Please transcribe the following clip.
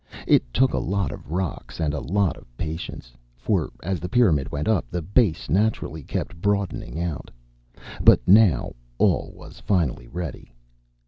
It took a lot of rocks and a lot of patience, for as the pyramid went up, the base naturally kept broadening out. But now all was finally ready.